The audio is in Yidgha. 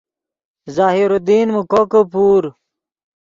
ظاہر الدین من کوکے پور